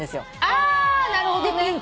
あなるほどね。